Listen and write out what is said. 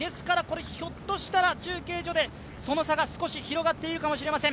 ひょっとしたら中継所でその差が広がっているかもしれません。